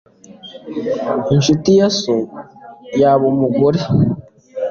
Inshuti ya so yaba umugore